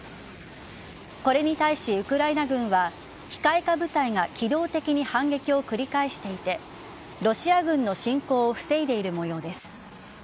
これに対し、ウクライナ軍は機械化部隊が機動的に反撃を繰り返していてロシア軍の侵攻を防いでいるもようです。